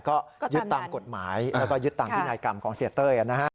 ก็ยึดตามกฎหมายแล้วก็ยึดตามพินัยกรรมของเสียเต้ย